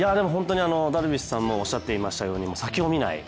ダルビッシュさんもおっしゃっていましたように本当に先を見ない。